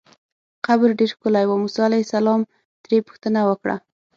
قبر ډېر ښکلی و، موسی علیه السلام ترې پوښتنه وکړه.